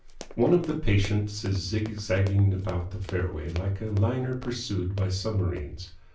One of the patients is zigzagging about the fairway like a liner pursued by submarines.